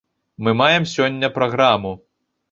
Мы маем сёння праграму.